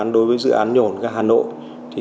đối với dự án nhổn hà nội